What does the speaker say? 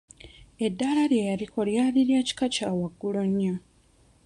Eddaala lye yaliko lyali lya kika kya waggulu nnyo.